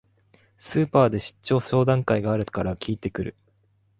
スーパーで出張相談会があるから聞いてくる